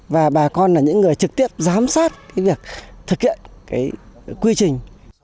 và bà con là những người trực tiếp giám sát cái việc thực hiện cái quy trình